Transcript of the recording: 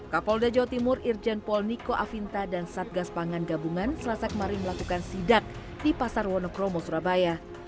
kapolda jawa timur irjen pol niko afinta dan satgas pangan gabungan selasa kemarin melakukan sidak di pasar wonokromo surabaya